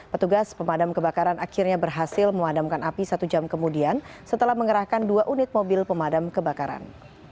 petugas pemadam kebakaran akhirnya berhasil memadamkan api satu jam kemudian setelah mengerahkan dua unit mobil pemadam kebakaran